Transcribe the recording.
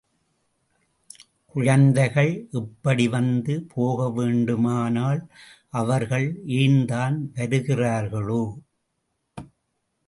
குழந்தைகள் இப்படி வந்து போக வேண்டுமானால், அவர்கள் ஏன்தான் வருகிறார்களோ?